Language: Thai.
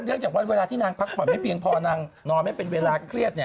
จากว่าเวลาที่นางพักผ่อนไม่เพียงพอนางนอนไม่เป็นเวลาเครียด